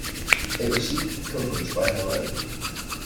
It received coverage by Hello!